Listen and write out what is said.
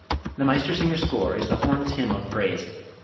The 'Meistersinger' score is the horn's hymn of praise.